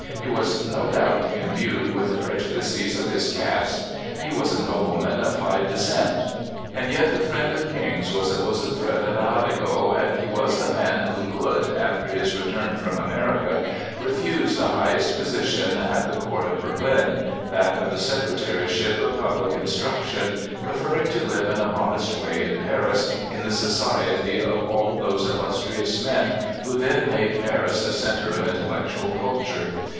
He was no doubt imbued with the prejudices of his caste. He was a nobleman of high descent And yet the friend of kings was a bosom friend ofArago, and he was the man who could, after his return from America, refuse the highest position at the court of Berlin, that of the secretaryship of public instruction, preferring to live in a modest way in raris, in the society of all those illus trious men who then made Paris the centre of intellectual culture.